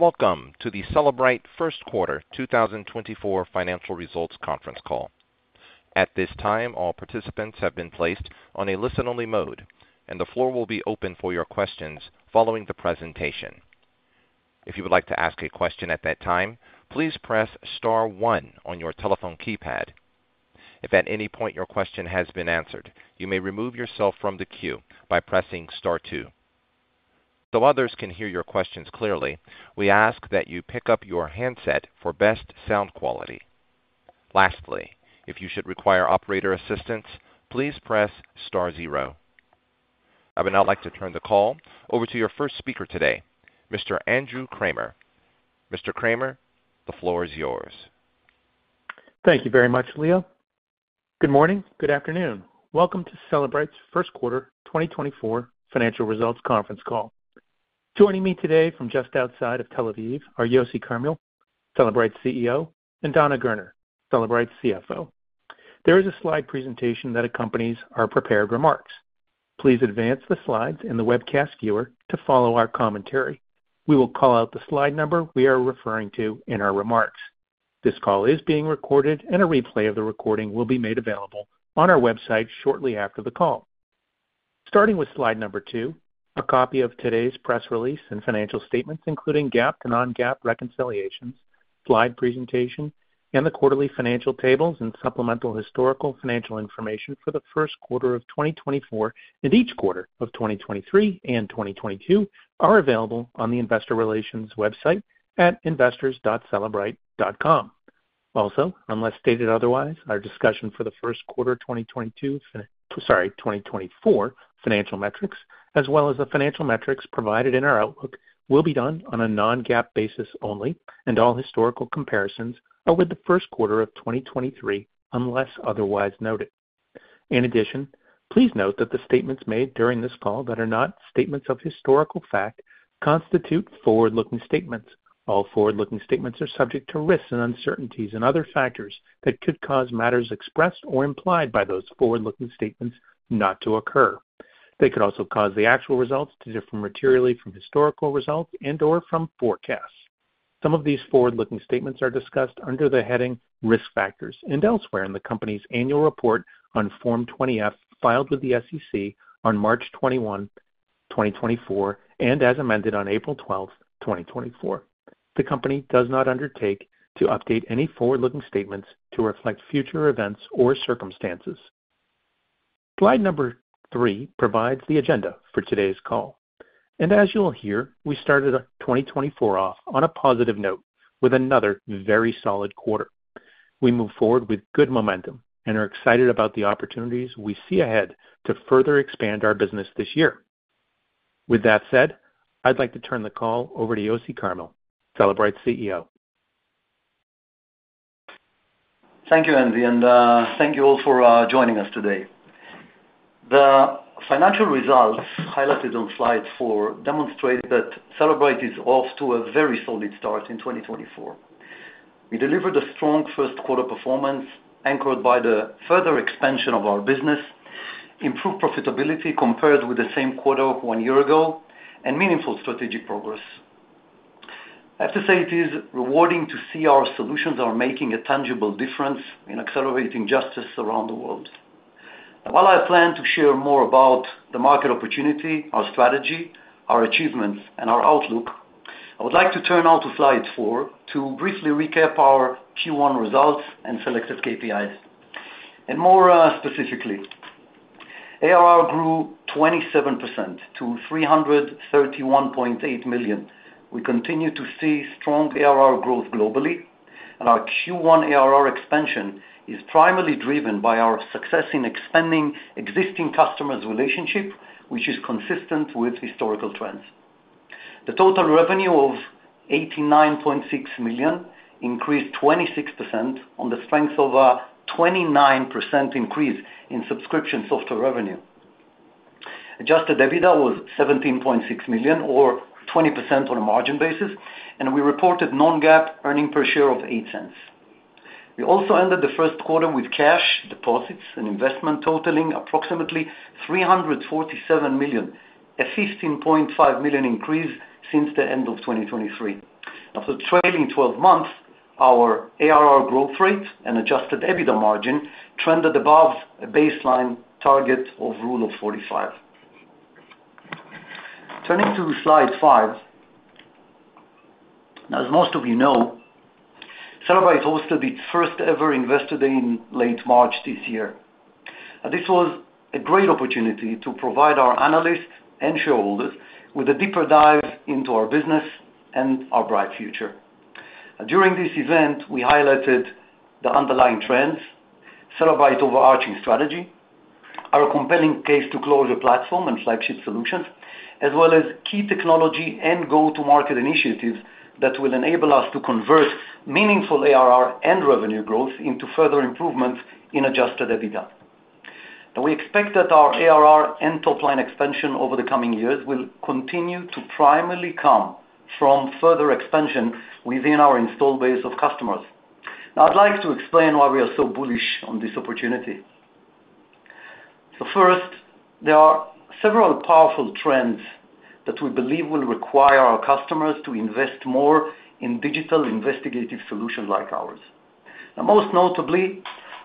Welcome to the Cellebrite First Quarter 2024 Financial Results Conference Call. At this time, all participants have been placed on a listen-only mode, and the floor will be open for your questions following the presentation. If you would like to ask a question at that time, please press star one on your telephone keypad. If at any point your question has been answered, you may remove yourself from the queue by pressing star two. So others can hear your questions clearly, we ask that you pick up your handset for best sound quality. Lastly, if you should require operator assistance, please press star zero. I would now like to turn the call over to your first speaker today, Mr. Andrew Kramer. Mr. Kramer, the floor is yours. Thank you very much, Leo. Good morning. Good afternoon. Welcome to Cellebrite's First Quarter 2024 Financial Results Conference Call. Joining me today from just outside of Tel Aviv are Yossi Carmil, Cellebrite's CEO, and Dana Gerner, Cellebrite's CFO. There is a slide presentation that accompanies our prepared remarks. Please advance the slides in the webcast viewer to follow our commentary. We will call out the slide number we are referring to in our remarks. This call is being recorded, and a replay of the recording will be made available on our website shortly after the call. Starting with slide number two, a copy of today's press release and financial statements, including GAAP to non-GAAP reconciliations, slide presentation, and the quarterly financial tables and supplemental historical financial information for the first quarter of 2024 and each quarter of 2023 and 2022, are available on the Investor Relations website at investors.cellebrite.com. Also, unless stated otherwise, our discussion for the first quarter 2024 financial metrics, as well as the financial metrics provided in our outlook, will be done on a non-GAAP basis only, and all historical comparisons are with the first quarter of 2023, unless otherwise noted. In addition, please note that the statements made during this call that are not statements of historical fact constitute forward-looking statements. All forward-looking statements are subject to risks and uncertainties and other factors that could cause matters expressed or implied by those forward-looking statements not to occur. They could also cause the actual results to differ materially from historical results and/or from forecasts. Some of these forward-looking statements are discussed under the heading Risk Factors and elsewhere in the company's annual report on Form 20-F, filed with the SEC on March 21, 2024, and as amended on April 12, 2024. The company does not undertake to update any forward-looking statements to reflect future events or circumstances. Slide number three provides the agenda for today's call, and as you'll hear, we started our 2024 off on a positive note with another very solid quarter. We move forward with good momentum and are excited about the opportunities we see ahead to further expand our business this year. With that said, I'd like to turn the call over to Yossi Carmil, Cellebrite's CEO. Thank you, Andy, and thank you all for joining us today. The financial results highlighted on slide four demonstrate that Cellebrite is off to a very solid start in 2024. We delivered a strong first quarter performance, anchored by the further expansion of our business, improved profitability compared with the same quarter one year ago, and meaningful strategic progress. I have to say it is rewarding to see our solutions are making a tangible difference in accelerating justice around the world. While I plan to share more about the market opportunity, our strategy, our achievements, and our outlook, I would like to turn now to slide four to briefly recap our Q1 results and selected KPIs. And more specifically, ARR grew 27% to $331.8 million. We continue to see strong ARR growth globally, and our Q1 ARR expansion is primarily driven by our success in expanding existing customers' relationship, which is consistent with historical trends. The total revenue of $89.6 million increased 26% on the strength of a 29% increase in subscription software revenue. Adjusted EBITDA was $17.6 million, or 20% on a margin basis, and we reported non-GAAP earnings per share of $0.08. We also ended the first quarter with cash deposits and investment totaling approximately $347 million, a $15.5 million increase since the end of 2023. After trailing 12 months, our ARR growth rate and adjusted EBITDA margin trended above a baseline target of Rule of 45. Turning to slide five. Now, as most of you know, Cellebrite hosted its first-ever Investor Day in late March this year. This was a great opportunity to provide our analysts and shareholders with a deeper dive into our business and our bright future. During this event, we highlighted the underlying trends, Cellebrite's overarching strategy, our compelling Case-to-Closure platform and flagship solutions, as well as key technology and go-to-market initiatives that will enable us to convert meaningful ARR and revenue growth into further improvements in Adjusted EBITDA. And we expect that our ARR and top-line expansion over the coming years will continue to primarily come from further expansion within our installed base of customers. Now, I'd like to explain why we are so bullish on this opportunity. So first, there are several powerful trends that we believe will require our customers to invest more in digital investigative solutions like ours. Now, most notably,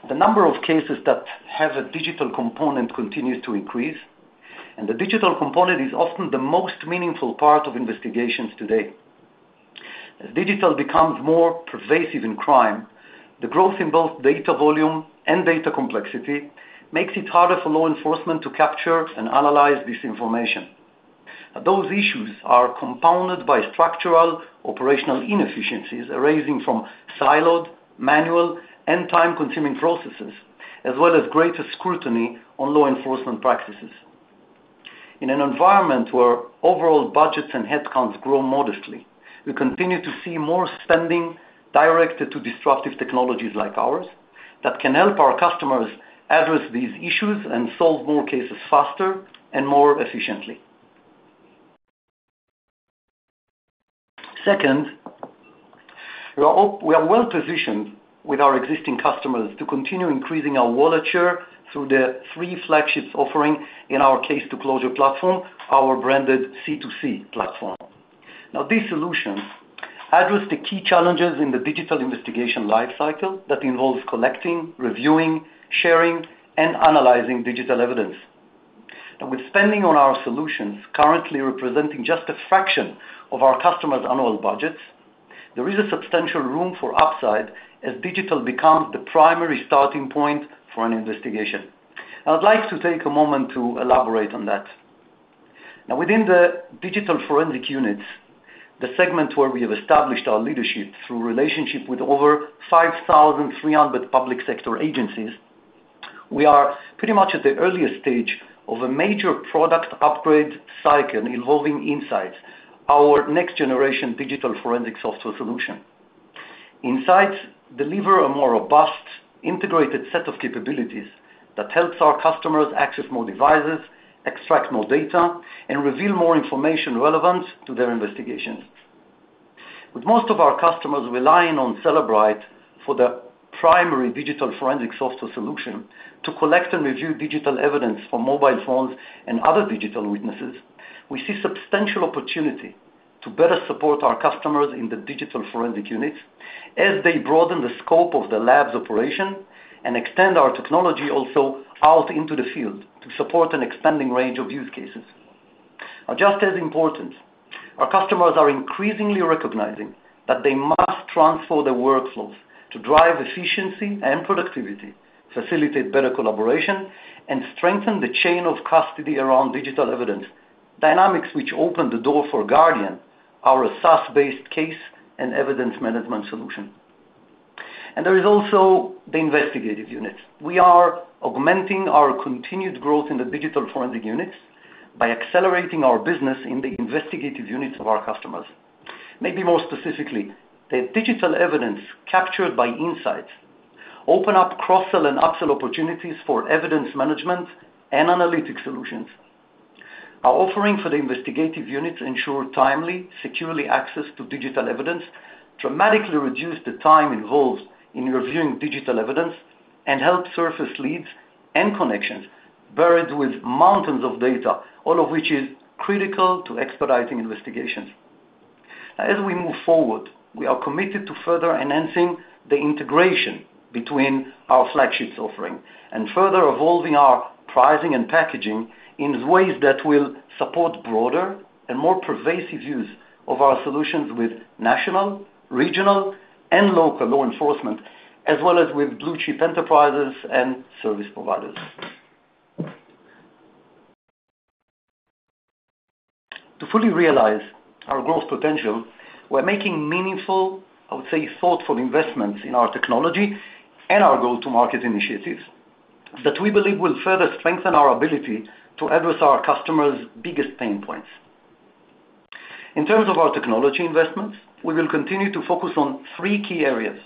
the number of cases that have a digital component continues to increase, and the digital component is often the most meaningful part of investigations today. As digital becomes more pervasive in crime, the growth in both data volume and data complexity makes it harder for law enforcement to capture and analyze this information. Those issues are compounded by structural operational inefficiencies arising from siloed, manual, and time-consuming processes, as well as greater scrutiny on law enforcement practices. In an environment where overall budgets and headcounts grow modestly, we continue to see more spending directed to disruptive technologies like ours, that can help our customers address these issues and solve more cases faster and more efficiently. Second, we are well-positioned with our existing customers to continue increasing our wallet share through the three flagships offering in our Case-to-Closure platform, our branded C2C platform. Now, these solutions address the key challenges in the digital investigation lifecycle that involves collecting, reviewing, sharing, and analyzing digital evidence. And with spending on our solutions currently representing just a fraction of our customers' annual budgets, there is a substantial room for upside as digital becomes the primary starting point for an investigation. I would like to take a moment to elaborate on that. Now, within the digital forensic units, the segment where we have established our leadership through relationship with over 5,300 public sector agencies, we are pretty much at the earliest stage of a major product upgrade cycle involving Inseyets, our next generation digital forensic software solution. Inseyets deliver a more robust, integrated set of capabilities that helps our customers access more devices, extract more data, and reveal more information relevant to their investigations. With most of our customers relying on Cellebrite for their primary digital forensic software solution to collect and review digital evidence from mobile phones and other digital witnesses, we see substantial opportunity to better support our customers in the digital forensic units as they broaden the scope of the lab's operation and extend our technology also out into the field to support an expanding range of use cases. Now, just as important, our customers are increasingly recognizing that they must transform their workflows to drive efficiency and productivity, facilitate better collaboration, and strengthen the chain of custody around digital evidence, dynamics which open the door for Guardian, our SaaS-based case and evidence management solution. There is also the investigative units. We are augmenting our continued growth in the digital forensic units by accelerating our business in the investigative units of our customers. Maybe more specifically, the digital evidence captured by Inseyets open up cross-sell and upsell opportunities for evidence management and analytic solutions. Our offering for the investigative units ensure timely, securely access to digital evidence, dramatically reduce the time involved in reviewing digital evidence, and help surface leads and connections buried with mountains of data, all of which is critical to expediting investigations. Now, as we move forward, we are committed to further enhancing the integration between our flagships offering and further evolving our pricing and packaging in ways that will support broader and more pervasive use of our solutions with national, regional, and local law enforcement, as well as with blue-chip enterprises and service providers. To fully realize our growth potential, we're making meaningful, I would say, thoughtful investments in our technology and our go-to-market initiatives that we believe will further strengthen our ability to address our customers' biggest pain points. In terms of our technology investments, we will continue to focus on three key areas.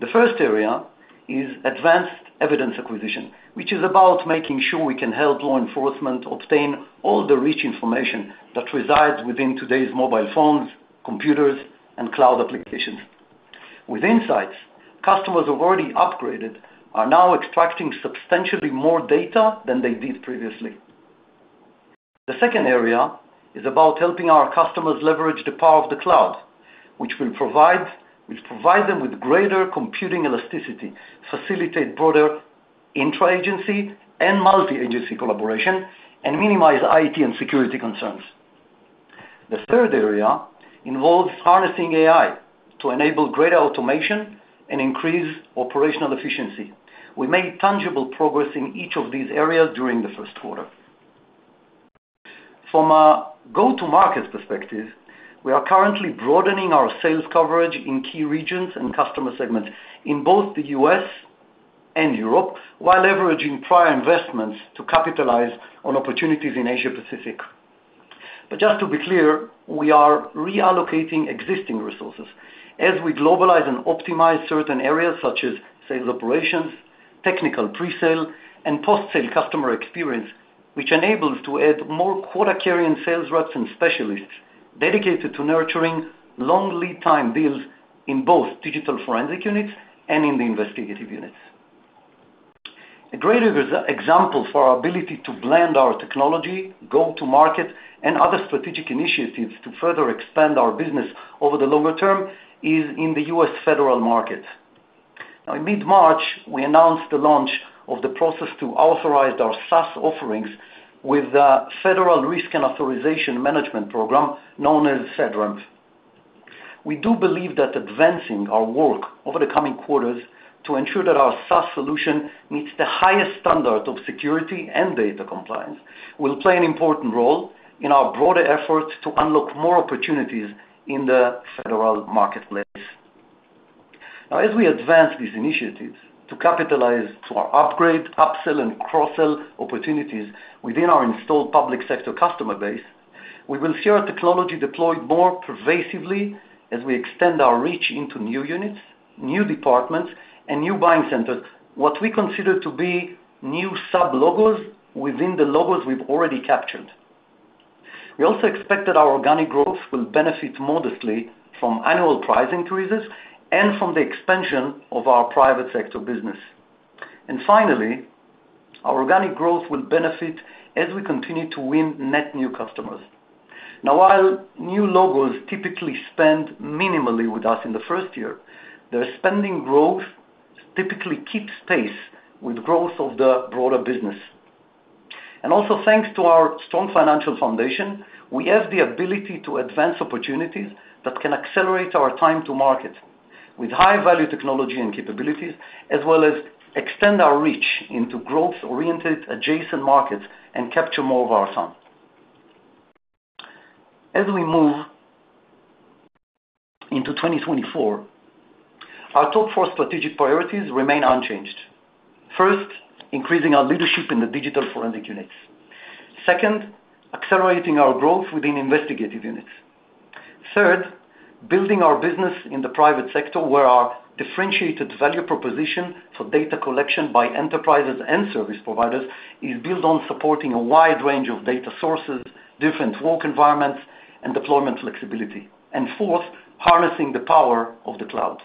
The first area is advanced evidence acquisition, which is about making sure we can help law enforcement obtain all the rich information that resides within today's mobile phones, computers, and cloud applications. With Inseyets, customers who've already upgraded are now extracting substantially more data than they did previously. The second area is about helping our customers leverage the power of the cloud, which will provide them with greater computing elasticity, facilitate broader interagency and multi-agency collaboration, and minimize IT and security concerns. The third area involves harnessing AI to enable greater automation and increase operational efficiency. We made tangible progress in each of these areas during the first quarter. From a go-to-market perspective, we are currently broadening our sales coverage in key regions and customer segments in both the U.S. and Europe, while leveraging prior investments to capitalize on opportunities in Asia Pacific. But just to be clear, we are reallocating existing resources as we globalize and optimize certain areas such as sales operations, technical pre-sale, and post-sale customer experience, which enables to add more quota-carrying sales reps and specialists... dedicated to nurturing long lead time deals in both digital forensic units and in the investigative units. A great example for our ability to blend our technology, go-to-market, and other strategic initiatives to further expand our business over the longer term is in the U.S. federal market. Now, in mid-March, we announced the launch of the process to authorize our SaaS offerings with the Federal Risk and Authorization Management Program, known as FedRAMP. We do believe that advancing our work over the coming quarters to ensure that our SaaS solution meets the highest standard of security and data compliance, will play an important role in our broader efforts to unlock more opportunities in the federal marketplace. Now, as we advance these initiatives to capitalize to our upgrade, upsell, and cross-sell opportunities within our installed public sector customer base, we will see our technology deployed more pervasively as we extend our reach into new units, new departments, and new buying centers, what we consider to be new sub-logos within the logos we've already captured. We also expect that our organic growth will benefit modestly from annual price increases and from the expansion of our private sector business. Finally, our organic growth will benefit as we continue to win net new customers. Now, while new logos typically spend minimally with us in the first year, their spending growth typically keeps pace with growth of the broader business. Also, thanks to our strong financial foundation, we have the ability to advance opportunities that can accelerate our time to market with high-value technology and capabilities, as well as extend our reach into growth-oriented adjacent markets and capture more of our TAM. As we move into 2024, our top four strategic priorities remain unchanged. First, increasing our leadership in the digital forensic units. Second, accelerating our growth within investigative units. Third, building our business in the private sector, where our differentiated value proposition for data collection by enterprises and service providers is built on supporting a wide range of data sources, different work environments, and deployment flexibility. Fourth, harnessing the power of the cloud.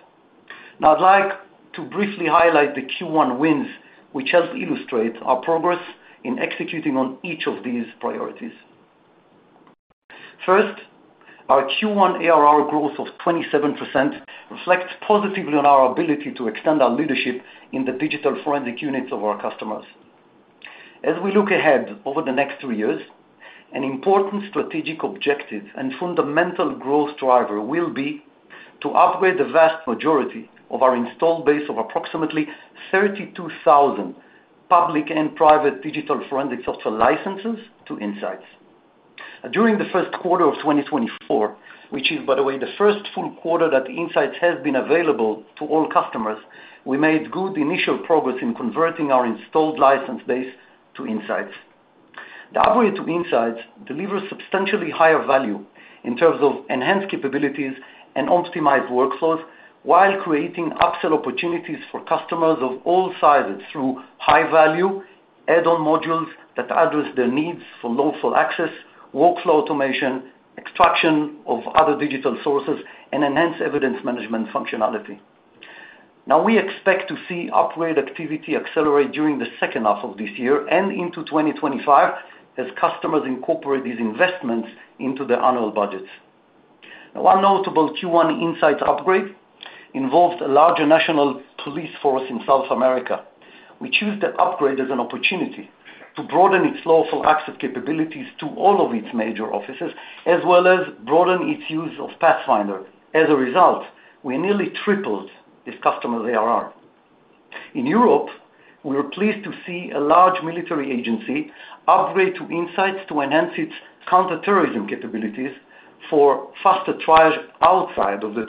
Now, I'd like to briefly highlight the Q1 wins, which help illustrate our progress in executing on each of these priorities. First, our Q1 ARR growth of 27% reflects positively on our ability to extend our leadership in the digital forensic units of our customers. As we look ahead over the next three years, an important strategic objective and fundamental growth driver will be to upgrade the vast majority of our installed base of approximately 32,000 public and private digital forensic software licenses to Inseyets. During the first quarter of 2024, which is, by the way, the first full quarter that Inseyets has been available to all customers, we made good initial progress in converting our installed license base to Inseyets. The upgrade to Inseyets delivers substantially higher value in terms of enhanced capabilities and optimized workflows, while creating upsell opportunities for customers of all sizes through high-value add-on modules that address their needs for lawful access, workflow automation, extraction of other digital sources, and enhanced evidence management functionality. Now, we expect to see upgrade activity accelerate during the second half of this year and into 2025 as customers incorporate these investments into their annual budgets. Now, one notable Q1 Inseyets upgrade involved a larger national police force in South America, which used the upgrade as an opportunity to broaden its lawful access capabilities to all of its major offices, as well as broaden its use of Pathfinder. As a result, we nearly tripled this customer's ARR. In Europe, we were pleased to see a large military agency upgrade to Inseyets to enhance its counterterrorism capabilities for faster triage outside of the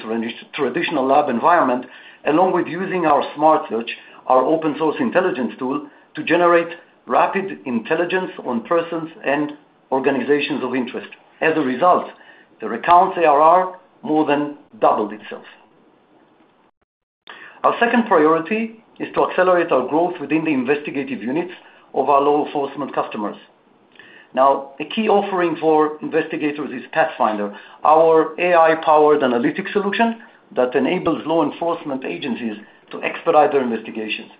traditional lab environment, along with using our Smart Search, our open-source intelligence tool, to generate rapid intelligence on persons and organizations of interest. As a result, their account's ARR more than doubled itself. Our second priority is to accelerate our growth within the investigative units of our law enforcement customers. Now, a key offering for investigators is Pathfinder, our AI-powered analytics solution that enables law enforcement agencies to expedite their investigations.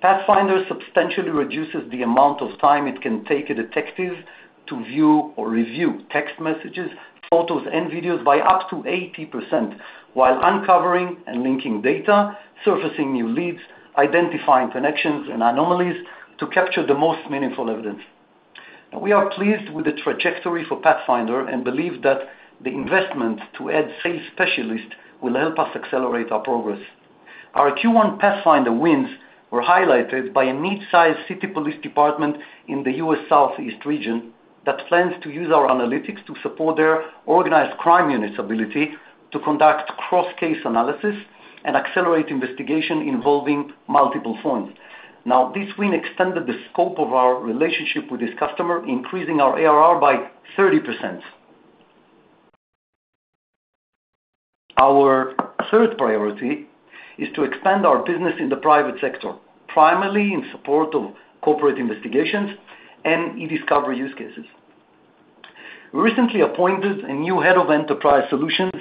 Pathfinder substantially reduces the amount of time it can take a detective to view or review text messages, photos, and videos by up to 80%, while uncovering and linking data, surfacing new leads, identifying connections and anomalies to capture the most meaningful evidence. Now, we are pleased with the trajectory for Pathfinder and believe that the investment to add sales specialists will help us accelerate our progress. Our Q1 Pathfinder wins were highlighted by a mid-sized city police department in the U.S. Southeast region that plans to use our analytics to support their organized crime unit's ability to conduct cross-case analysis and accelerate investigation involving multiple phones. Now, this win extended the scope of our relationship with this customer, increasing our ARR by 30%. Our third priority is to expand our business in the private sector, primarily in support of corporate investigations and eDiscovery use cases. We recently appointed a new head of enterprise solutions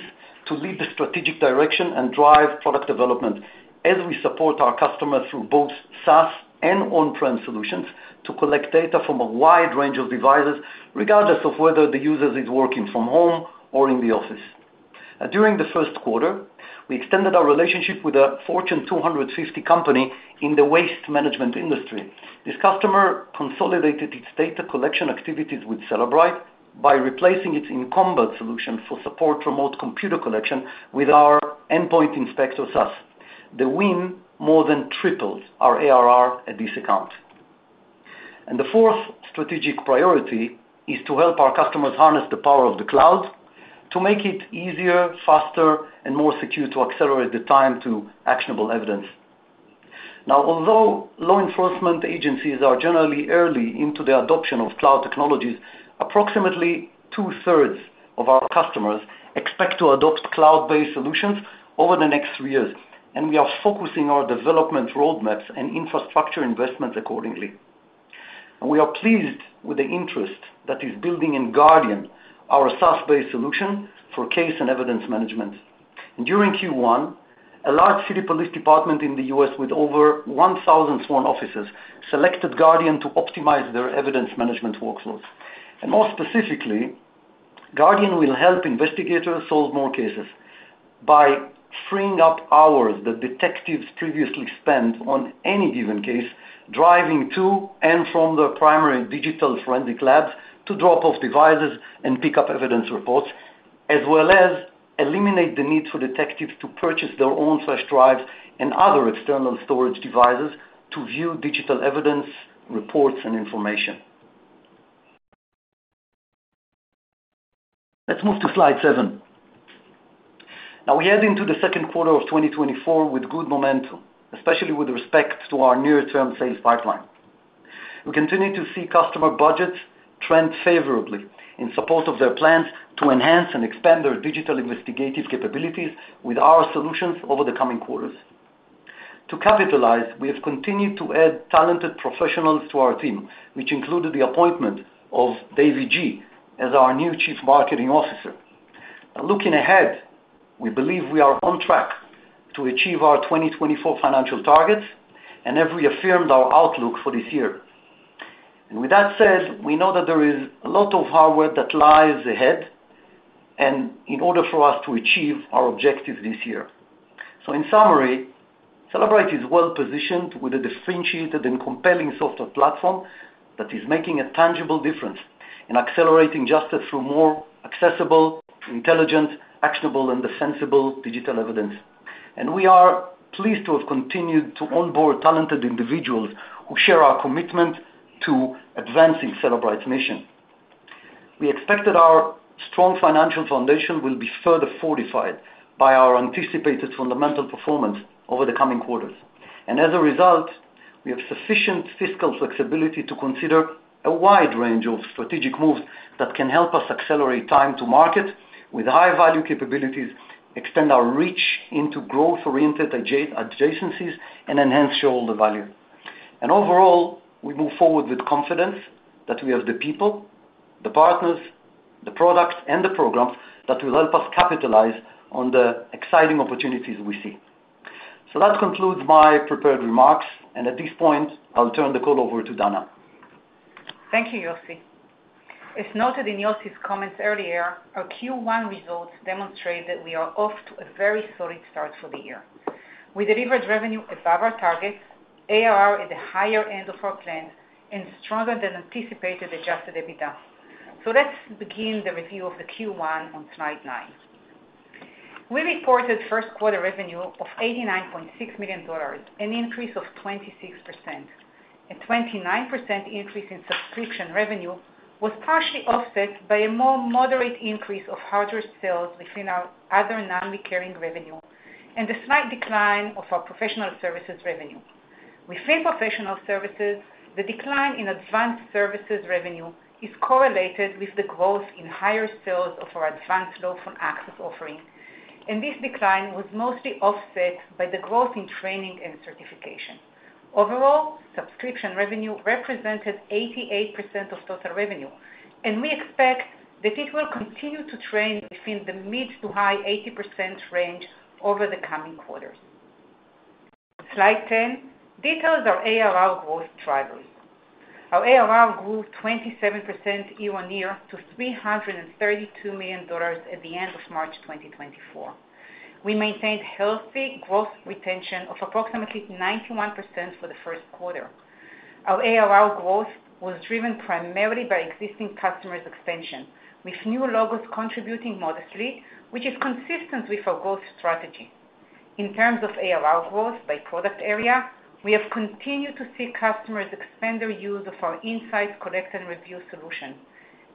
to lead the strategic direction and drive product development as we support our customers through both SaaS and on-prem solutions to collect data from a wide range of devices, regardless of whether the user is working from home or in the office. During the first quarter, we extended our relationship with a Fortune 250 company in the waste management industry. This customer consolidated its data collection activities with Cellebrite by replacing its incumbent solution for support remote computer collection with our Endpoint Inspector SaaS. The win more than triples our ARR at this account. The fourth strategic priority is to help our customers harness the power of the cloud to make it easier, faster, and more secure to accelerate the time to actionable evidence. Now, although law enforcement agencies are generally early into the adoption of cloud technologies, approximately two-thirds of our customers expect to adopt cloud-based solutions over the next three years, and we are focusing our development roadmaps and infrastructure investments accordingly. We are pleased with the interest that is building in Guardian, our SaaS-based solution for case and evidence management. During Q1, a large city police department in the U.S. with over 1,000 sworn officers selected Guardian to optimize their evidence management workflows. More specifically, Guardian will help investigators solve more cases by freeing up hours that detectives previously spent on any given case, driving to and from the primary digital forensic labs to drop off devices and pick up evidence reports, as well as eliminate the need for detectives to purchase their own flash drives and other external storage devices to view digital evidence, reports, and information. Let's move to slide seven. Now, we head into the second quarter of 2024 with good momentum, especially with respect to our near-term sales pipeline. We continue to see customer budgets trend favorably in support of their plans to enhance and expand their digital investigative capabilities with our solutions over the coming quarters. To capitalize, we have continued to add talented professionals to our team, which included the appointment of David Gee as our new Chief Marketing Officer. Looking ahead, we believe we are on track to achieve our 2024 financial targets and have reaffirmed our outlook for this year. With that said, we know that there is a lot of hard work that lies ahead and in order for us to achieve our objectives this year. In summary, Cellebrite is well positioned with a differentiated and compelling software platform that is making a tangible difference in accelerating justice through more accessible, intelligent, actionable, and defensible digital evidence. We are pleased to have continued to onboard talented individuals who share our commitment to advancing Cellebrite's mission. We expect that our strong financial foundation will be further fortified by our anticipated fundamental performance over the coming quarters. As a result, we have sufficient fiscal flexibility to consider a wide range of strategic moves that can help us accelerate time to market with high-value capabilities, extend our reach into growth-oriented adjacencies, and enhance shareholder value. Overall, we move forward with confidence that we have the people, the partners, the products, and the programs that will help us capitalize on the exciting opportunities we see. So that concludes my prepared remarks, and at this point, I'll turn the call over to Dana. Thank you, Yossi. As noted in Yossi's comments earlier, our Q1 results demonstrate that we are off to a very solid start for the year. We delivered revenue above our targets, ARR at the higher end of our plan, and stronger than anticipated Adjusted EBITDA. So let's begin the review of the Q1 on slide nine. We reported first quarter revenue of $89.6 million, an increase of 26%. A 29% increase in subscription revenue was partially offset by a more moderate increase of hardware sales within our other non-recurring revenue and a slight decline of our professional services revenue. Within professional services, the decline in advanced services revenue is correlated with the growth in higher sales of our Advanced Lawful Access offering, and this decline was mostly offset by the growth in training and certification. Overall, subscription revenue represented 88% of total revenue, and we expect that it will continue to trend between the mid to high 80% range over the coming quarters. Slide 10 details our ARR growth drivers. Our ARR grew 27% year-on-year to $332 million at the end of March 2024. We maintained healthy growth retention of approximately 91% for the first quarter. Our ARR growth was driven primarily by existing customers' expansion, with new logos contributing modestly, which is consistent with our growth strategy. In terms of ARR growth by product area, we have continued to see customers expand their use of our Inseyets, collect, and review solution.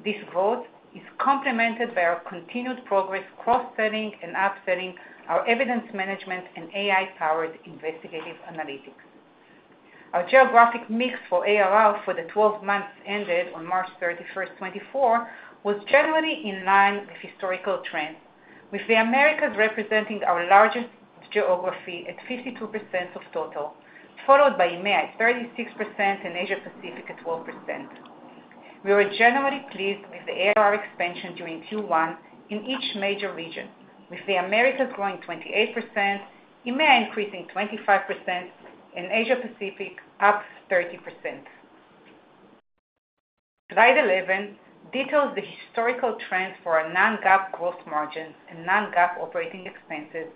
This growth is complemented by our continued progress cross-selling and upselling our evidence management and AI-powered investigative analytics. Our geographic mix for ARR for the 12 months ended on March 31, 2024, was generally in line with historical trends, with the Americas representing our largest geography at 52% of total, followed by EMEA at 36% and Asia Pacific at 12%. We were generally pleased with the ARR expansion during Q1 in each major region, with the Americas growing 28%, EMEA increasing 25%, and Asia Pacific up 30%. Slide 11 details the historical trends for our non-GAAP gross margins and non-GAAP operating expenses,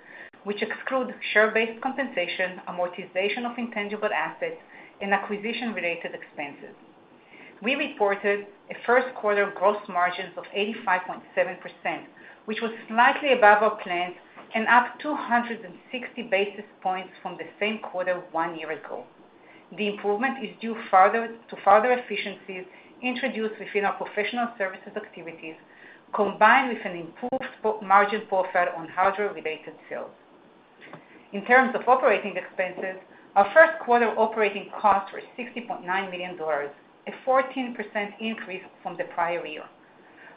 which exclude share-based compensation, amortization of intangible assets, and acquisition-related expenses. We reported a first quarter gross margins of 85.7%, which was slightly above our plans and up 260 basis points from the same quarter one year ago. The improvement is due to further efficiencies introduced within our professional services activities, combined with an improved margin profile on hardware-related sales. In terms of operating expenses, our first quarter operating costs were $60.9 million, a 14% increase from the prior year.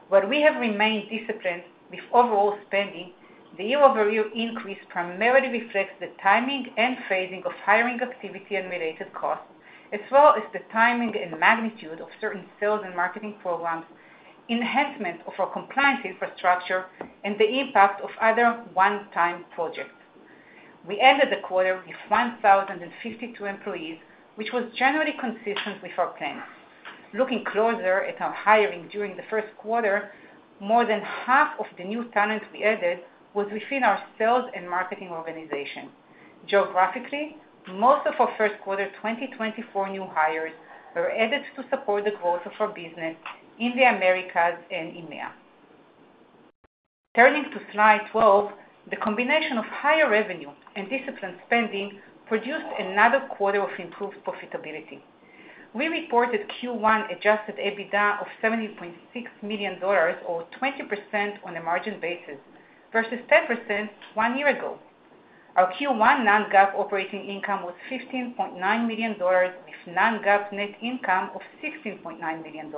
While we have remained disciplined with overall spending, the year-over-year increase primarily reflects the timing and phasing of hiring activity and related costs, as well as the timing and magnitude of certain sales and marketing programs, enhancement of our compliance infrastructure, and the impact of other one-time projects. We ended the quarter with 1,052 employees, which was generally consistent with our plans. Looking closer at our hiring during the first quarter, more than half of the new talent we added was within our sales and marketing organization. Geographically, most of our first quarter 2024 new hires were added to support the growth of our business in the Americas and EMEA. Turning to slide 12, the combination of higher revenue and disciplined spending produced another quarter of improved profitability. We reported Q1 Adjusted EBITDA of $70.6 million, or 20% on a margin basis, versus 10% one year ago. Our Q1 non-GAAP operating income was $15.9 million, with non-GAAP net income of $16.9 million,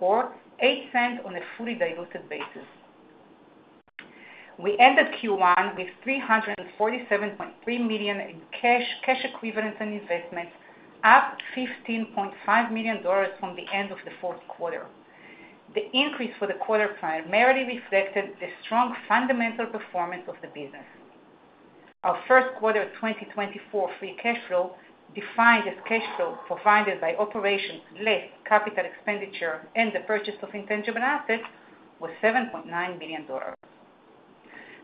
or $0.08 on a fully diluted basis. We ended Q1 with $347.3 million in cash, cash equivalents and investments, up $15.5 million from the end of the fourth quarter. The increase for the quarter primarily reflected the strong fundamental performance of the business. Our first quarter 2024 free cash flow, defined as cash flow provided by operations less capital expenditure and the purchase of intangible assets, was $7.9 million.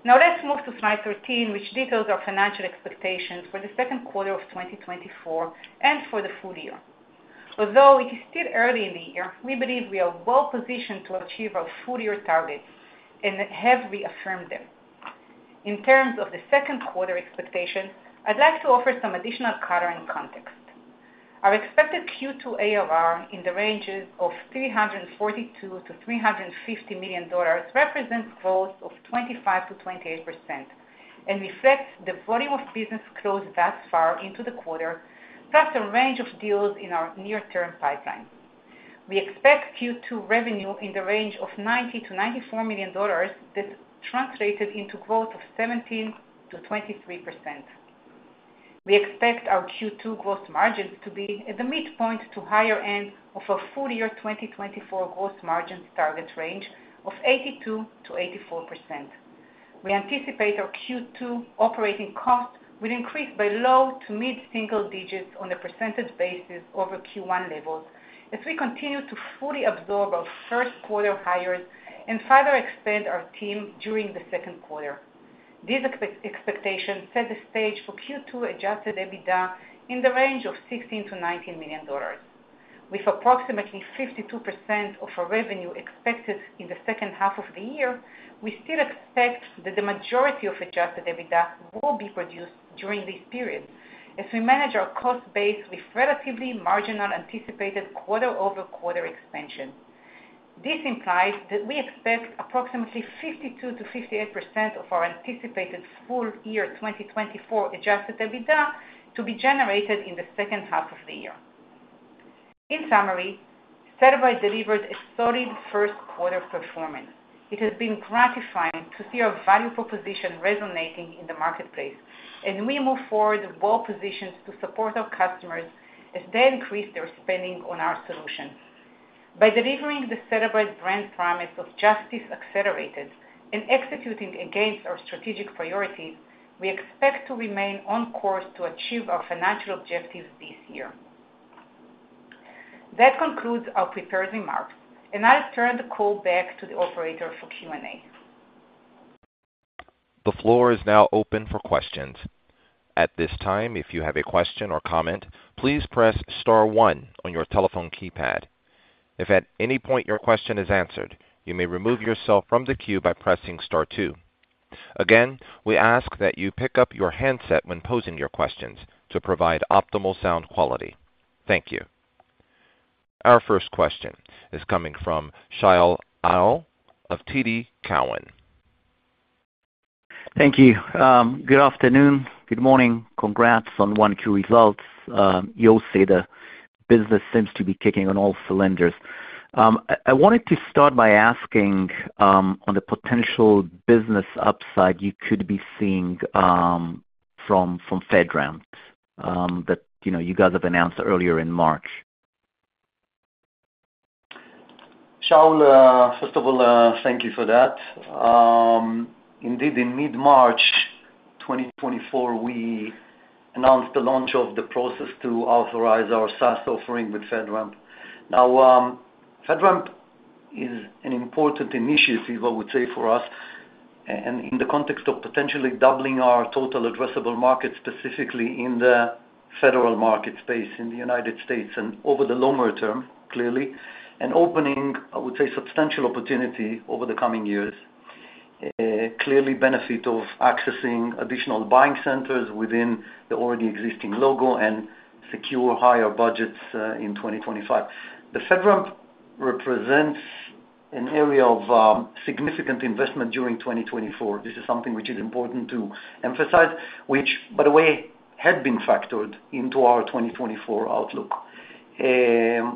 Now, let's move to slide 13, which details our financial expectations for the second quarter of 2024 and for the full year. Although it is still early in the year, we believe we are well positioned to achieve our full year targets and have reaffirmed them. In terms of the second quarter expectations, I'd like to offer some additional color and context. Our expected Q2 ARR in the ranges of $342 million-$350 million represents growth of 25%-28% and reflects the volume of business closed thus far into the quarter, plus a range of deals in our near-term pipeline. We expect Q2 revenue in the range of $90 million-$94 million, that's translated into growth of 17%-23%. We expect our Q2 gross margins to be at the midpoint to higher end of our full-year 2024 gross margin target range of 82%-84%. We anticipate our Q2 operating costs will increase by low- to mid-single digits on a percentage basis over Q1 levels as we continue to fully absorb our first quarter hires and further expand our team during the second quarter. These expectations set the stage for Q2 Adjusted EBITDA in the range of $16 million-$19 million. With approximately 52% of our revenue expected in the second half of the year, we still expect that the majority of Adjusted EBITDA will be produced during this period, as we manage our cost base with relatively marginal anticipated quarter-over-quarter expansion. This implies that we expect approximately 52%-58% of our anticipated full-year 2024 Adjusted EBITDA to be generated in the second half of the year. In summary, Cellebrite delivered a solid first quarter performance. It has been gratifying to see our value proposition resonating in the marketplace, and we move forward well-positioned to support our customers as they increase their spending on our solution. By delivering the Cellebrite brand promise of Justice Accelerated and executing against our strategic priorities, we expect to remain on course to achieve our financial objectives this year. That concludes our prepared remarks, and I'll turn the call back to the operator for Q&A. The floor is now open for questions. At this time, if you have a question or comment, please press star one on your telephone keypad. If at any point your question is answered, you may remove yourself from the queue by pressing star two. Again, we ask that you pick up your handset when posing your questions to provide optimal sound quality. Thank you. Our first question is coming from Shaul Eyal of TD Cowen. Thank you. Good afternoon, good morning. Congrats on 1Q results. You'll see the business seems to be kicking on all cylinders. I wanted to start by asking on the potential business upside you could be seeing from FedRAMP, you know, that you guys have announced earlier in March. Shaul, first of all, thank you for that. Indeed, in mid-March 2024, we announced the launch of the process to authorize our SaaS offering with FedRAMP. Now, FedRAMP is an important initiative, I would say, for us, and in the context of potentially doubling our total addressable market, specifically in the federal market space in the United States, and over the longer term, clearly, and opening, I would say, substantial opportunity over the coming years. Clearly benefit of accessing additional buying centers within the already existing logo and secure higher budgets, in 2025. The FedRAMP represents an area of, significant investment during 2024. This is something which is important to emphasize, which, by the way, had been factored into our 2024 outlook. The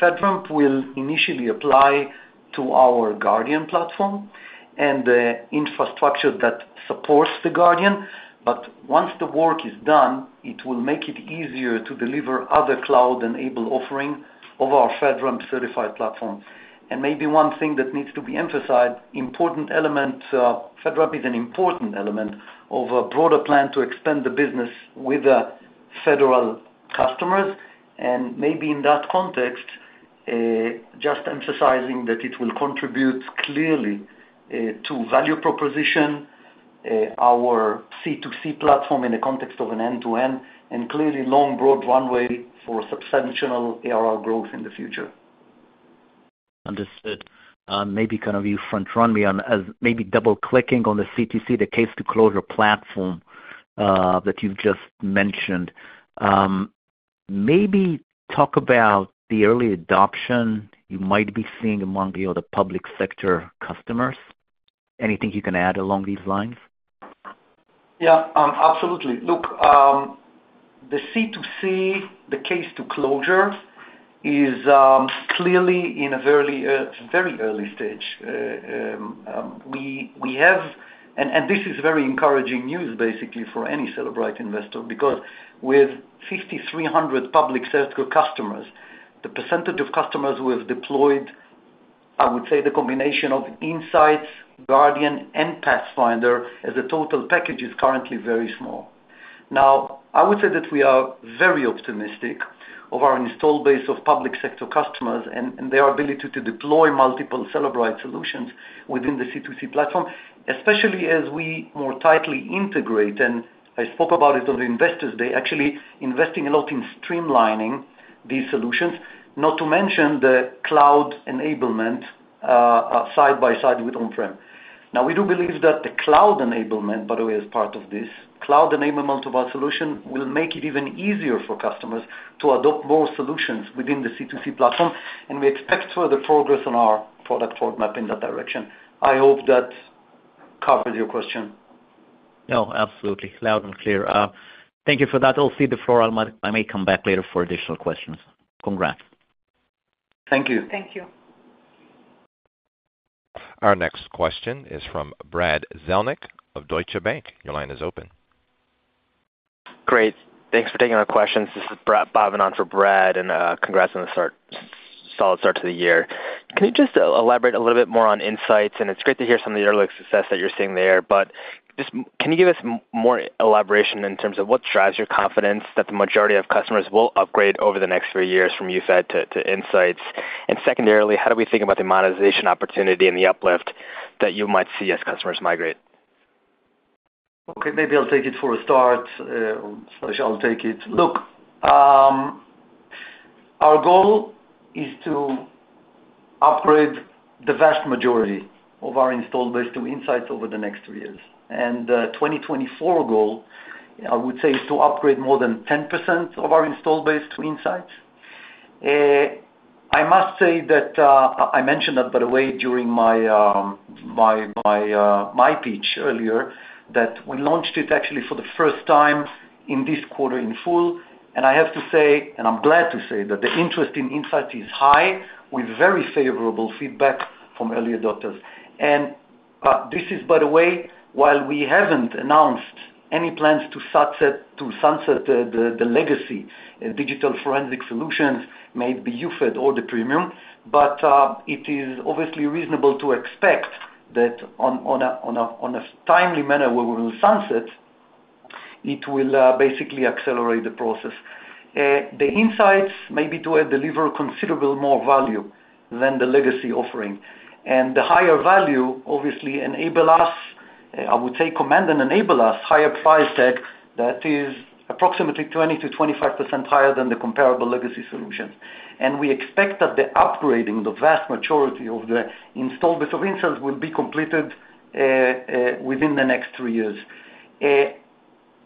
FedRAMP will initially apply to our Guardian platform and the infrastructure that supports the Guardian. But once the work is done, it will make it easier to deliver other cloud-enabled offering of our FedRAMP-certified platform. And maybe one thing that needs to be emphasized, important element, FedRAMP is an important element of a broader plan to expand the business with the federal customers, and maybe in that context, just emphasizing that it will contribute clearly to value proposition, our C2C platform in the context of an end-to-end, and clearly long, broad runway for substantial ARR growth in the future. Understood. Maybe kind of you front run me on, as maybe double-clicking on the C2C, the Case-to-Closure platform, that you've just mentioned. Maybe talk about the early adoption you might be seeing among the other public sector customers. Anything you can add along these lines? Yeah, absolutely. Look, the C2C, the Case-to-Closure, is clearly in a very early stage. We have, and this is very encouraging news, basically, for any Cellebrite investor, because with 5,300 public sector customers, the percentage of customers who have deployed, I would say, the combination of Inseyets, Guardian, and Pathfinder, as a total package, is currently very small. Now, I would say that we are very optimistic of our installed base of public sector customers and their ability to deploy multiple Cellebrite solutions within the C2C platform, especially as we more tightly integrate, and I spoke about it on the Investors Day, actually investing a lot in streamlining these solutions, not to mention the cloud enablement, side by side with on-prem. Now, we do believe that the cloud enablement, by the way, is part of this. Cloud enablement of our solution will make it even easier for customers to adopt more solutions within the C2C platform, and we expect further progress on our product roadmap in that direction. I hope that covers your question. No, absolutely. Loud and clear. Thank you for that. I'll cede the floor. I might—I may come back later for additional questions. Congrats. Thank you. Thank you. Our next question is from Brad Zelnick of Deutsche Bank. Your line is open. Great. Thanks for taking our questions. This is Brad, subbing on for Brad, and congrats on the start, solid start to the year. Can you just elaborate a little bit more on Inseyets? And it's great to hear some of the early success that you're seeing there, but just can you give us more elaboration in terms of what drives your confidence that the majority of customers will upgrade over the next three years from UFED to Inseyets? And secondarily, how do we think about the monetization opportunity and the uplift that you might see as customers migrate? Okay, maybe I'll take it for a start, or I'll take it. Look, our goal is to upgrade the vast majority of our installed base to Inseyets over the next three years. And, 2024 goal, I would say, is to upgrade more than 10% of our installed base to Inseyets. I must say that, I mentioned that, by the way, during my pitch earlier, that we launched it actually for the first time in this quarter in full. And I have to say, and I'm glad to say, that the interest in Inseyets is high, with very favorable feedback from early adopters. By the way, while we haven't announced any plans to sunset the legacy digital forensic solutions, may it be UFED or the Premium, but it is obviously reasonable to expect that on a timely manner, where we will sunset it will basically accelerate the process. The Inseyets may be to deliver considerable more value than the legacy offering. And the higher value obviously enable us, I would say, command and enable us higher price tag that is approximately 20%-25% higher than the comparable legacy solutions. And we expect that the upgrading, the vast majority of the installed base of Inseyets, will be completed within the next three years.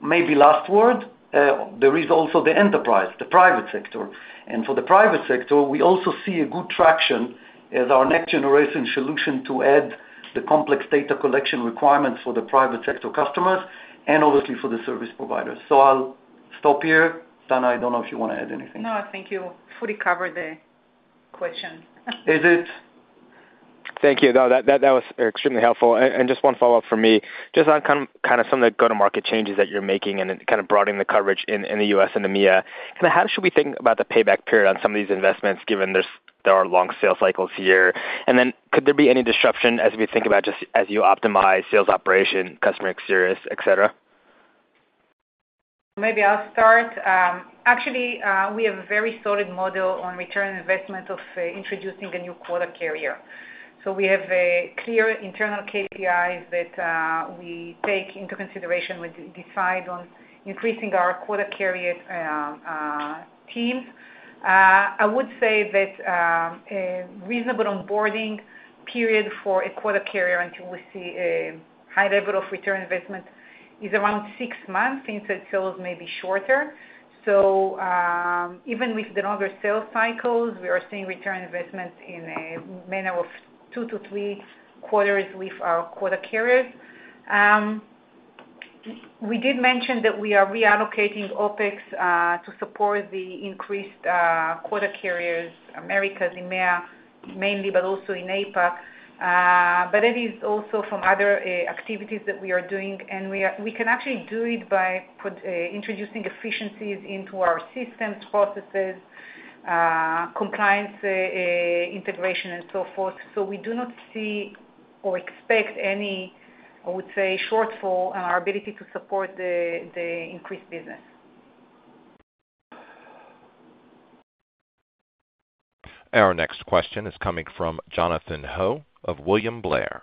Maybe last word, there is also the enterprise, the private sector. For the private sector, we also see a good traction as our next generation solution to add the complex data collection requirements for the private sector customers and obviously for the service providers. I'll stop here. Dana, I don't know if you want to add anything. No, I think you fully covered the question. Is it? Thank you. No, that was extremely helpful. And just one follow-up for me, just on kind of some of the go-to-market changes that you're making and then kind of broadening the coverage in the U.S. and EMEA, kind of how should we think about the payback period on some of these investments, given there are long sales cycles here? And then could there be any disruption as we think about just as you optimize sales operation, customer experience, et cetera? Maybe I'll start. Actually, we have a very solid model on return on investment of introducing a new quota carrier. So we have a clear internal KPIs that we take into consideration when we decide on increasing our quota carrier teams. I would say that a reasonable onboarding period for a quota carrier until we see a high level of return on investment is around six months, since the sales may be shorter. So even with the longer sales cycles, we are seeing return on investment in a manner of two to three quarters with our quota carriers. We did mention that we are reallocating OpEx to support the increased quota carriers, Americas, EMEA, mainly, but also in APAC. But it is also from other activities that we are doing, and we can actually do it by introducing efficiencies into our systems, processes, compliance, integration, and so forth. So we do not see or expect any, I would say, shortfall in our ability to support the increased business. Our next question is coming from Jonathan Ho of William Blair.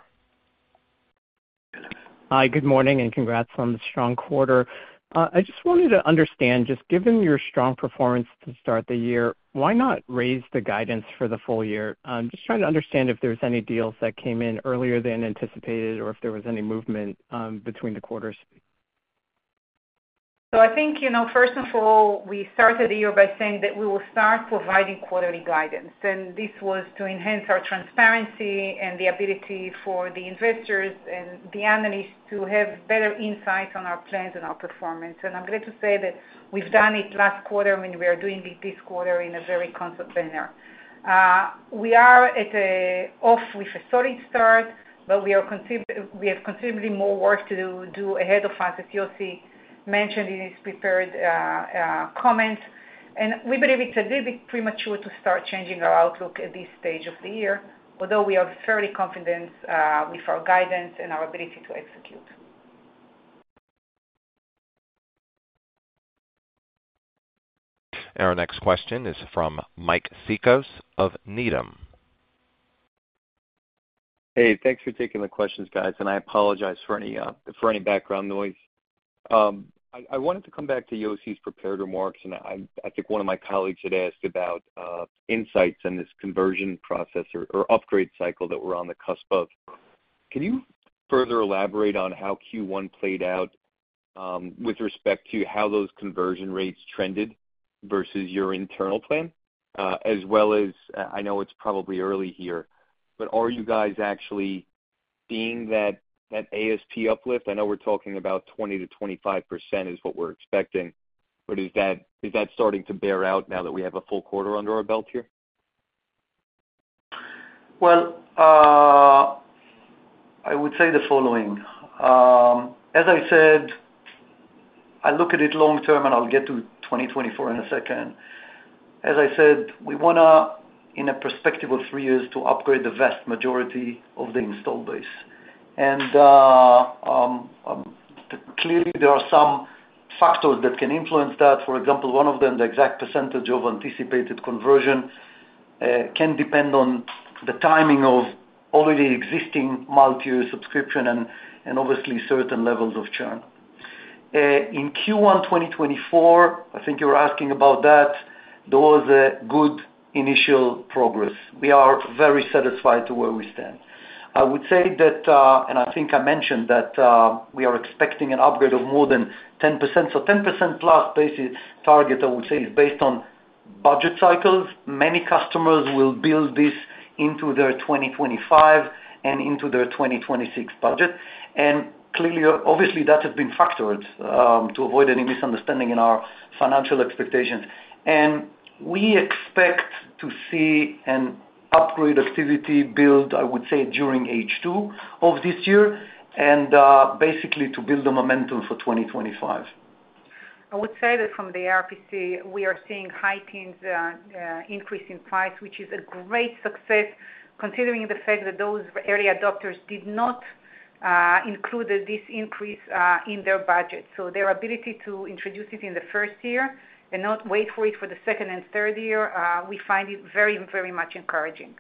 Hi, good morning, and congrats on the strong quarter. I just wanted to understand, just given your strong performance to start the year, why not raise the guidance for the full year? Just trying to understand if there's any deals that came in earlier than anticipated or if there was any movement between the quarters. So I think, you know, first of all, we started the year by saying that we will start providing quarterly guidance, and this was to enhance our transparency and the ability for the investors and the analysts to have better insight on our plans and our performance. I'm glad to say that we've done it last quarter, and we are doing it this quarter in a very consistent manner. We are off to a solid start, but we have considerably more work to do ahead of us, as Yossi mentioned in his prepared comments. We believe it's a little bit premature to start changing our outlook at this stage of the year, although we are fairly confident with our guidance and our ability to execute. Our next question is from Mike Cikos of Needham. Hey, thanks for taking the questions, guys, and I apologize for any for any background noise. I wanted to come back to Yossi's prepared remarks, and I think one of my colleagues had asked about Inseyets and this conversion process or upgrade cycle that we're on the cusp of. Can you further elaborate on how Q1 played out with respect to how those conversion rates trended versus your internal plan? As well as, I know it's probably early here, but are you guys actually seeing that ASP uplift? I know we're talking about 20%-25% is what we're expecting, but is that starting to bear out now that we have a full quarter under our belt here? Well, I would say the following. As I said, I look at it long term, and I'll get to 2024 in a second. As I said, we wanna, in a perspective of three years, to upgrade the vast majority of the installed base. And, clearly, there are some factors that can influence that. For example, one of them, the exact percentage of anticipated conversion, can depend on the timing of already existing multi-year subscription and obviously, certain levels of churn. In Q1 2024, I think you're asking about that, there was a good initial progress. We are very satisfied to where we stand. I would say that, and I think I mentioned that, we are expecting an upgrade of more than 10%. So 10%+ basic target, I would say, is based on budget cycles. Many customers will build this into their 2025 and into their 2026 budget. Clearly, obviously, that has been factored to avoid any misunderstanding in our financial expectations. We expect to see an upgrade activity build, I would say, during H2 of this year and basically to build the momentum for 2025. I would say that from the ARPC, we are seeing high teens increase in price, which is a great success, considering the fact that those early adopters did not include this increase in their budget. So their ability to introduce it in the first year and not wait for it for the second and third year, we find it very, very much encouraging.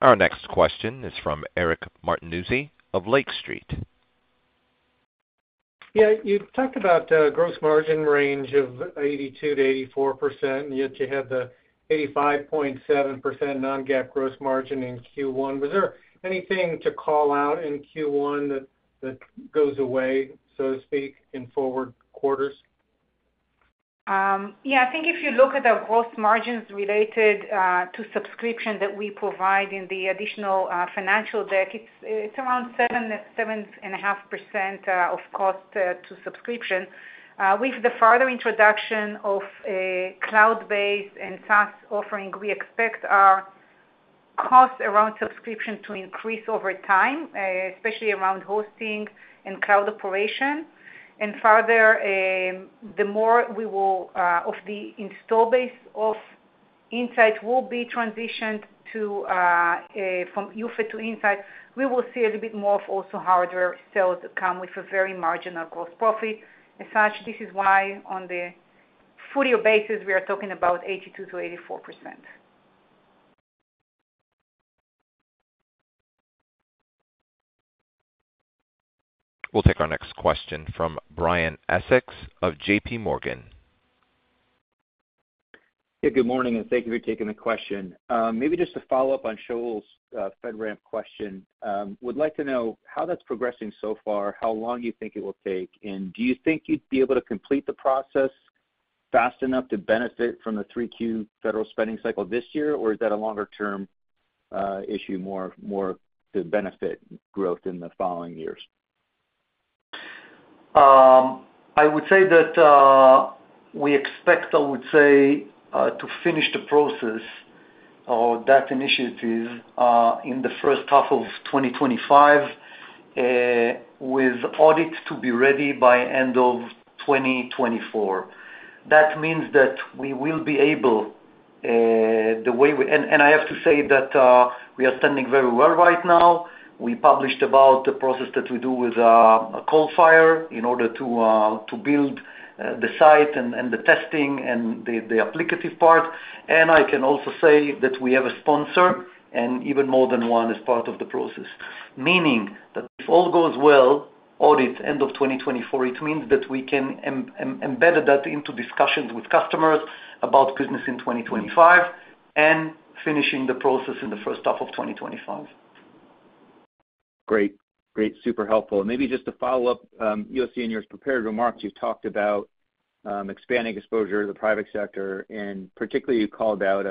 Our next question is from Eric Martinuzzi of Lake Street. Yeah. You talked about gross margin range of 82%-84%, and yet you had the 85.7% non-GAAP gross margin in Q1. Was there anything to call out in Q1 that goes away, so to speak, in forward quarters? Yeah. I think if you look at the gross margins related to subscription that we provide in the additional financial deck, it's around 7%-7.5% of cost to subscription. With the further introduction of a cloud-based and SaaS offering, we expect our cost around subscription to increase over time, especially around hosting and cloud operation. And further, the more we will of the install base of Inseyets will be transitioned to from UFED to Inseyets, we will see a little bit more of also hardware sales that come with a very marginal gross profit. As such, this is why, on the full-year basis, we are talking about 82%-84%. We'll take our next question from Brian Essex of JPMorgan. Yeah, good morning, and thank you for taking the question. Maybe just to follow up on Shaul's FedRAMP question. Would like to know how that's progressing so far, how long you think it will take, and do you think you'd be able to complete the process fast enough to benefit from the 3Q federal spending cycle this year, or is that a longer term issue, more to benefit growth in the following years? I would say that, we expect, I would say, to finish the process or that initiatives, in the first half of 2025, with audits to be ready by end of 2024. That means that we will be able, the way we-- And, and I have to say that, we are standing very well right now. We published about the process that we do with, Coalfire in order to, to build, the site and, and the testing and the, the applicative part. I can also say that we have a sponsor, and even more than one, as part of the process, meaning that if all goes well, audit end of 2024, it means that we can embed that into discussions with customers about business in 2025, and finishing the process in the first half of 2025. Great. Great, super helpful. Maybe just to follow up, Yossi, in your prepared remarks, you talked about expanding exposure to the private sector, and particularly you called out,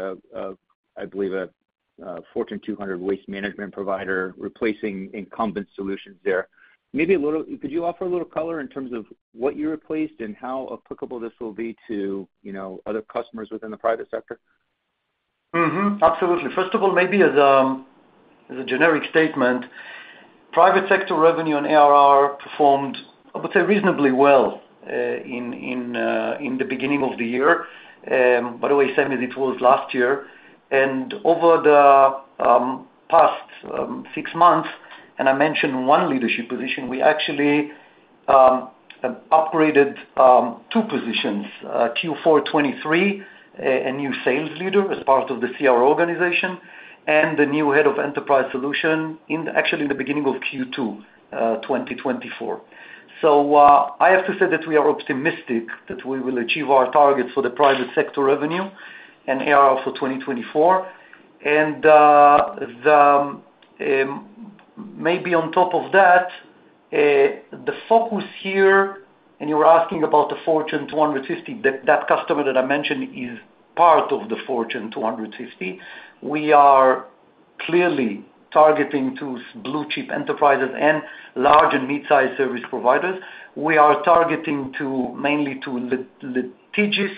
I believe, a Fortune 200 waste management provider, replacing incumbent solutions there. Maybe a little. Could you offer a little color in terms of what you replaced and how applicable this will be to, you know, other customers within the private sector? Mm-hmm. Absolutely. First of all, maybe as, as a generic statement, private sector revenue and ARR performed, I would say, reasonably well, in the beginning of the year, by the way, same as it was last year. And over the past six months, and I mentioned one leadership position, we actually upgraded two positions, Q4 2023, a new sales leader as part of the CR organization, and the new head of enterprise solution actually in the beginning of Q2 2024. So, I have to say that we are optimistic that we will achieve our targets for the private sector revenue and ARR for 2024. The, maybe on top of that, the focus here, and you were asking about the Fortune 250, that customer that I mentioned is part of the Fortune 250. We are clearly targeting to blue-chip enterprises and large and mid-sized service providers. We are targeting to, mainly to litigious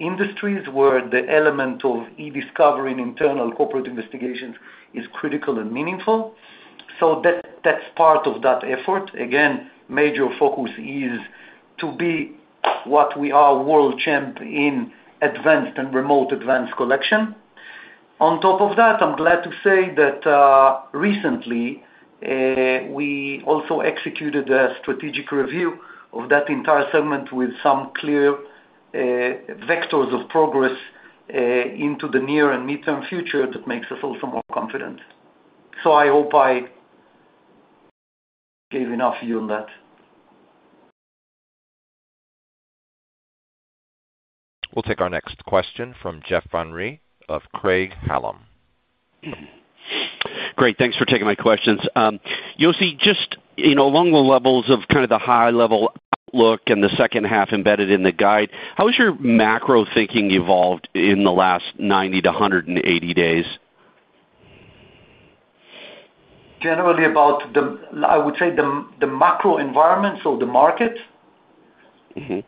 industries, where the element of eDiscovery and internal corporate investigations is critical and meaningful. So that's part of that effort. Again, major focus is to be what we are, world champ in advanced and remote advanced collection. On top of that, I'm glad to say that, recently, we also executed a strategic review of that entire segment with some clear vectors of progress into the near and midterm future that makes us also more confident. So I hope I gave enough view on that. We'll take our next question from Jeff Van Rhee of Craig-Hallum. Great, thanks for taking my questions. Yossi, just, you know, along the levels of kind of the high-level outlook and the second half embedded in the guide, how has your macro thinking evolved in the last 90 to 180 days? Generally about the... I would say, the, the macro environment, so the market? Mm-hmm. Yes.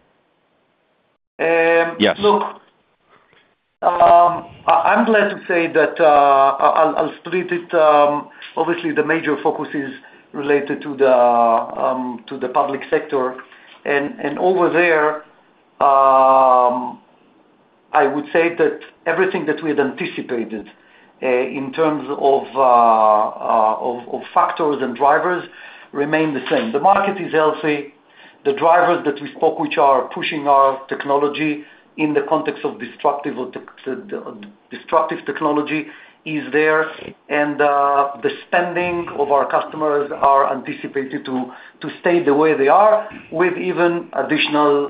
Look, I'm glad to say that, I'll split it, obviously, the major focus is related to the public sector. And over there, I would say that everything that we had anticipated in terms of of factors and drivers remain the same. The market is healthy. The drivers that we spoke, which are pushing our technology in the context of disruptive, of disruptive technology, is there, and the spending of our customers are anticipated to stay the way they are, with even additional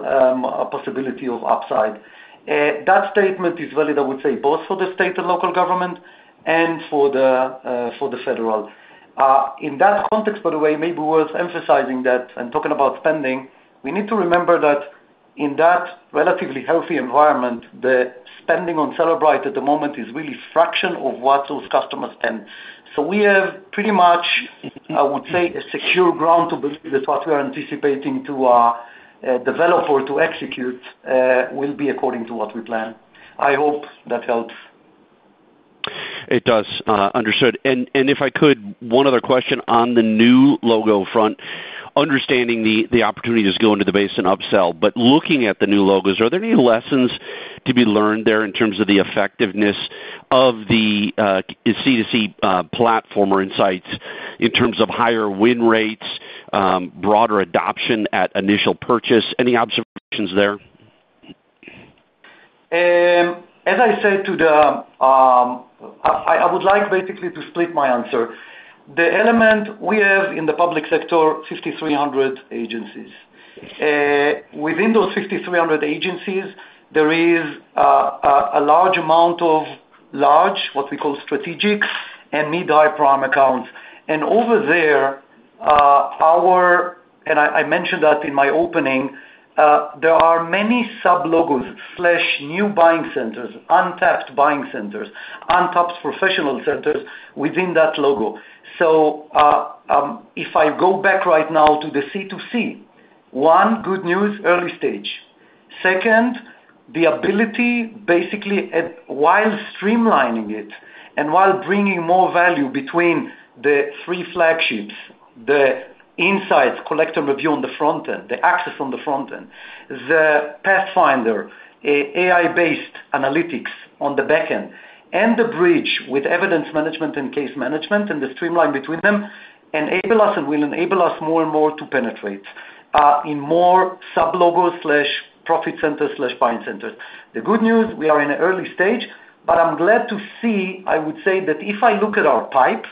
possibility of upside. Eh, that statement is valid, I would say, both for the state and local government and for the federal. In that context, by the way, maybe worth emphasizing that and talking about spending, we need to remember that in that relatively healthy environment, the spending on Cellebrite at the moment is really fraction of what those customers spend. So we have pretty much, I would say, a secure ground to believe that what we are anticipating to develop or to execute will be according to what we plan. I hope that helps. It does, understood. And if I could, one other question on the new logo front. Understanding the opportunities go into the base and upsell, but looking at the new logos, are there any lessons to be learned there in terms of the effectiveness of the C2C platform or Inseyets in terms of higher win rates, broader adoption at initial purchase? Any observations there? As I said to the, I would like basically to split my answer. The element we have in the public sector, 5,300 agencies. Within those 5,300 agencies, there is a large amount of large, what we call strategic and mid-high prime accounts. And over there, our, and I mentioned that in my opening, there are many sub logos/new buying centers, untapped buying centers, untapped professional centers within that logo. So, if I go back right now to the C2C, one, good news, early stage. Second, the ability, basically, at, while streamlining it and while bringing more value between the three flagships, the Inseyets, collect and review on the front end, the access on the front end, the Pathfinder, an AI-based analytics on the back end, and the bridge with evidence management and case management, and the streamline between them, enable us and will enable us more and more to penetrate in more sub logos/profit centers/buying centers. The good news, we are in an early stage, but I'm glad to see, I would say, that if I look at our pipe,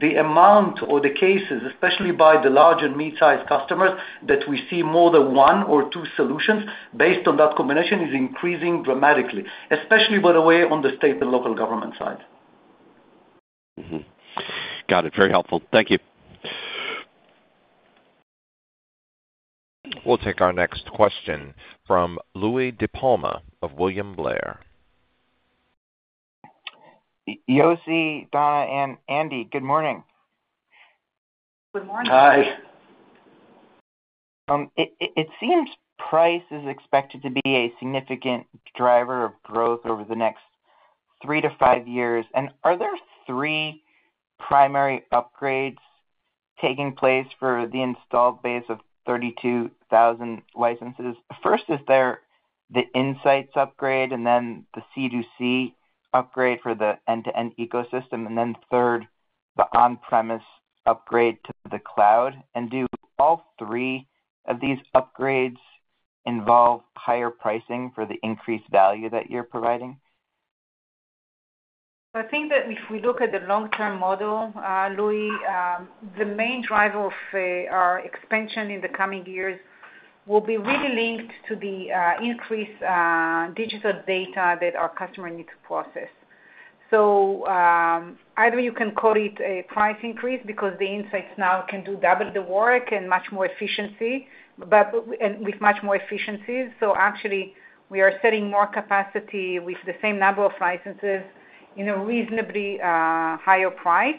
the amount or the cases, especially by the large and mid-sized customers, that we see more than one or two solutions based on that combination, is increasing dramatically, especially, by the way, on the state and local government side. Mm-hmm. Got it. Very helpful. Thank you. We'll take our next question from Louie DiPalma of William Blair. Yossi, Dana, and Andy, good morning. Good morning. Hi. It seems price is expected to be a significant driver of growth over the next three to five years. Are there three primary upgrades taking place for the installed base of 32,000 licenses? First, is there the Inseyets upgrade, and then the C2C upgrade for the end-to-end ecosystem, and then third, the on-premise upgrade to the cloud? Do all three of these upgrades involve higher pricing for the increased value that you're providing? I think that if we look at the long-term model, Louis, the main driver of our expansion in the coming years will be really linked to the increased digital data that our customer needs to process. So, either you can call it a price increase because the Inseyets now can do double the work and much more efficiency, but and with much more efficiency. So actually, we are setting more capacity with the same number of licenses in a reasonably higher price.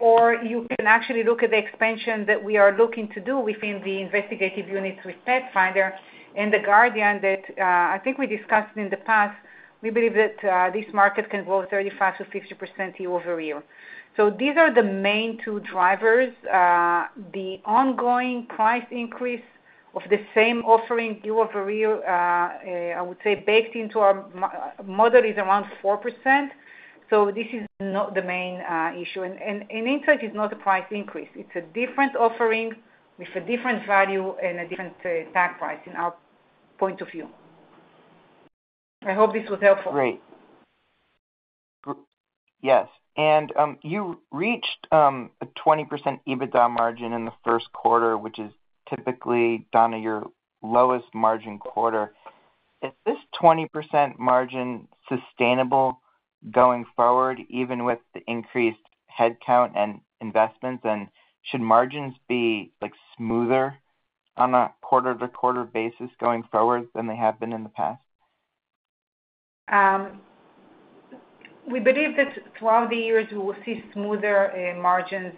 Or you can actually look at the expansion that we are looking to do within the investigative units with Pathfinder and the Guardian, that I think we discussed in the past, we believe that this market can grow 35%-50% year-over-year. So these are the main two drivers. The ongoing price increase of the same offering year-over-year, I would say baked into our model, is around 4%, so this is not the main issue. And Inseyets is not a price increase. It's a different offering with a different value and a different tag price, in our point of view. I hope this was helpful. Great. Yes. And you reached a 20% EBITDA margin in the first quarter, which is typically, Dana, your lowest margin quarter. Is this 20% margin sustainable going forward, even with the increased headcount and investments? And should margins be, like, smoother on a quarter-to-quarter basis going forward than they have been in the past? We believe that throughout the years, we will see smoother margins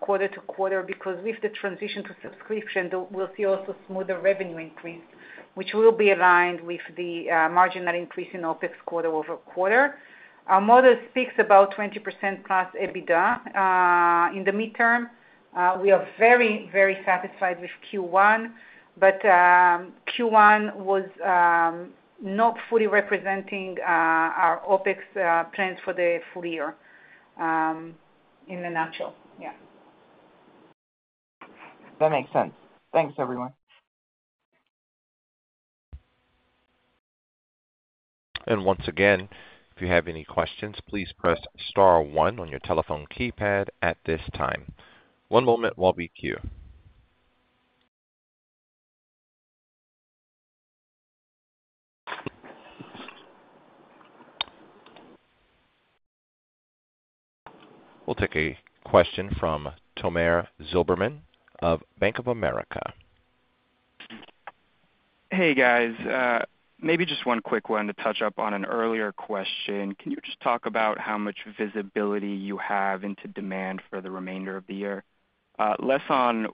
quarter to quarter, because with the transition to subscription, we'll see also smoother revenue increase, which will be aligned with the margin and increase in OpEx quarter-over-quarter. Our model speaks about 20%+ EBITDA in the midterm. We are very, very satisfied with Q1, but Q1 was not fully representing our OpEx plans for the full year, in a nutshell. Yeah. That makes sense. Thanks, everyone. Once again, if you have any questions, please press star one on your telephone keypad at this time. One moment while we queue. We'll take a question from Tomer Zilberman of Bank of America. Hey, guys. Maybe just one quick one to touch up on an earlier question. Can you just talk about how much visibility you have into demand for the remainder of the year? Less on,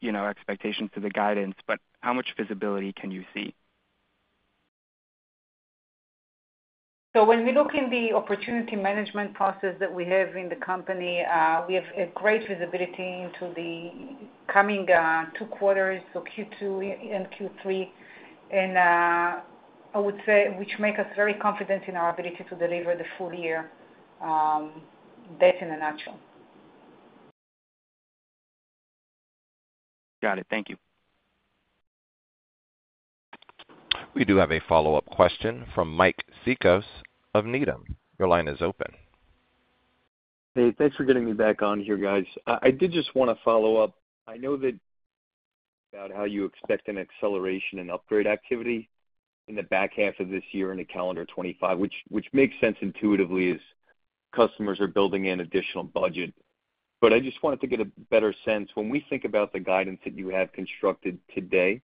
you know, expectations for the guidance, but how much visibility can you see? So when we look in the opportunity management process that we have in the company, we have a great visibility into the coming two quarters, so Q2 and Q3, and I would say, which make us very confident in our ability to deliver the full year, that in a nutshell. Got it. Thank you. We do have a follow-up question from Mike Cikos of Needham. Your line is open. Hey, thanks for getting me back on here, guys. I did just want to follow up. I know that about how you expect an acceleration in upgrade activity in the back half of this year into calendar 2025, which makes sense intuitively as customers are building in additional budget. But I just wanted to get a better sense. When we think about the guidance that you have constructed today,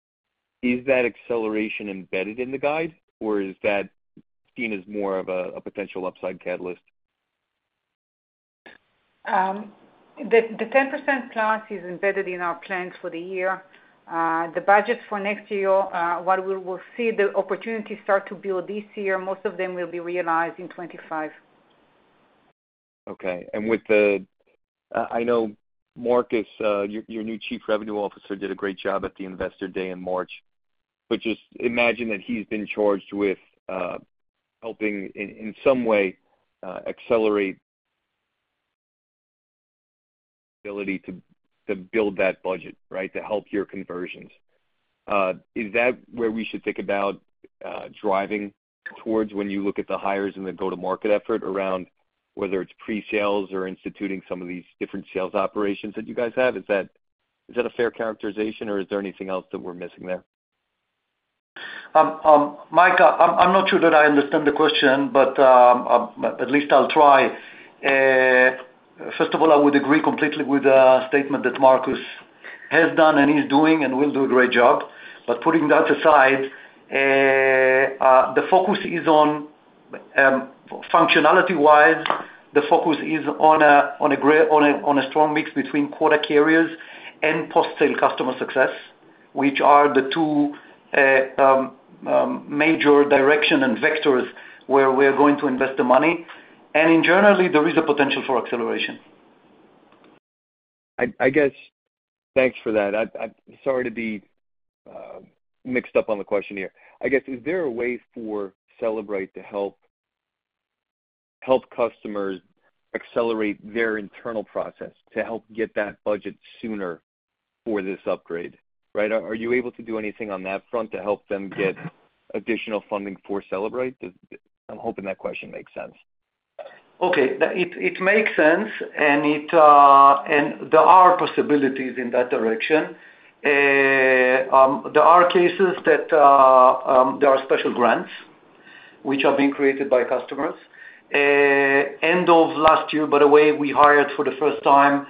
is that acceleration embedded in the guide, or is that seen as more of a potential upside catalyst? The 10%+ is embedded in our plans for the year. The budget for next year, what we will see the opportunity start to build this year, most of them will be realized in 2025. Okay. And with the... I know Marcus, your new Chief Revenue Officer, did a great job at the Investor Day in March. But just imagine that he's been charged with helping in some way accelerate ability to build that budget, right? To help your conversions. Is that where we should think about driving towards when you look at the hires and the go-to-market effort around, whether it's pre-sales or instituting some of these different sales operations that you guys have? Is that a fair characterization, or is there anything else that we're missing there? Mike, I'm not sure that I understand the question, but at least I'll try. First of all, I would agree completely with the statement that Marcus has done and is doing and will do a great job. But putting that aside, the focus is on, functionality-wise, the focus is on a strong mix between quota carriers and post-sale customer success, which are the two major directions and vectors where we are going to invest the money. And generally, there is a potential for acceleration. I guess, thanks for that. I'm sorry to be mixed up on the question here. I guess, is there a way for Cellebrite to help customers accelerate their internal process to help get that budget sooner for this upgrade, right? Are you able to do anything on that front to help them get additional funding for Cellebrite? I'm hoping that question makes sense. Okay. It makes sense, and there are possibilities in that direction. There are cases that there are special grants, which are being created by customers. End of last year, by the way, we hired for the first time,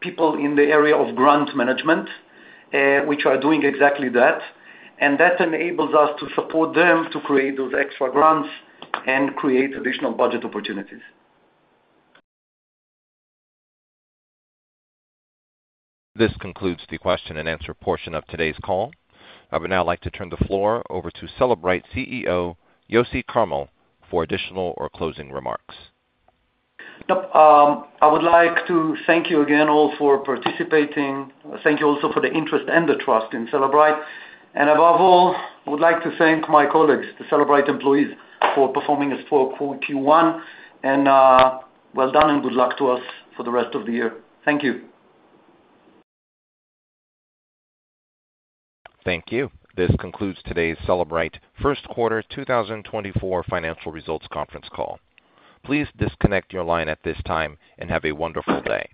people in the area of grant management, which are doing exactly that. And that enables us to support them to create those extra grants and create additional budget opportunities. This concludes the question-and-answer portion of today's call. I would now like to turn the floor over to Cellebrite CEO, Yossi Carmil, for additional or closing remarks. Yep. I would like to thank you again all for participating. Thank you also for the interest and the trust in Cellebrite. And above all, I would like to thank my colleagues, the Cellebrite employees, for performing this for Q1, and well done and good luck to us for the rest of the year. Thank you. Thank you. This concludes today's Cellebrite First Quarter 2024 Financial Results Conference Call. Please disconnect your line at this time, and have a wonderful day.